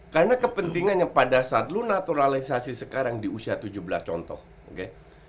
karena kepentingannya pada saat lu naturalisasi sekarang di usia tujuh belas contoh oke